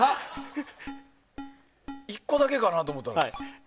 １個だけかなと思ったら。